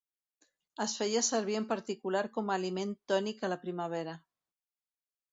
Es feia servir en particular com a aliment tònic a la primavera.